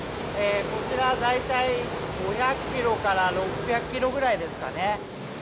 こちら、大体５００キロから６００キロぐらいですかね。